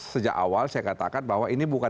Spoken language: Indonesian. sejak awal saya katakan bahwa ini bukan